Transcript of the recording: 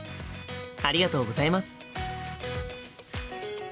ありがとうございます。